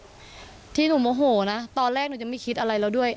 ที่หนูโมโหนะตอนแรกหนูยังไม่คิดอะไรแล้วด้วย